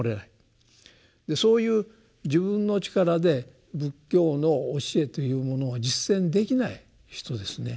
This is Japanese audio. そういう自分の力で仏教の教えというものを実践できない人ですね。